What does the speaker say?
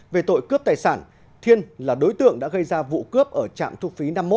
về tội cướp tài sản thiên là đối tượng đã gây ra vụ cướp ở trạm thu phí năm mươi một